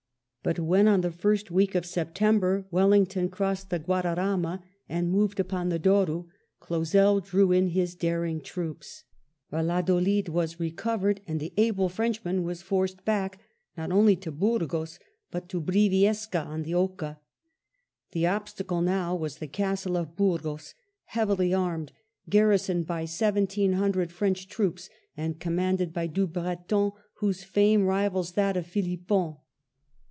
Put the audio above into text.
But when on the first week of September Wellington crossed the Guadarama and moved upon the Douro, Clausel drew in his daring troops, Valladolid was re covered, and the able Frenchman was forced back, not only to Burgos, but to Briviesca on the Oca. The obstacle now was the castle of Burgos, heavily armed, garrisoned by seventeen hundred French troops, and commanded by Dubreton whose fame rivals that of Philippon.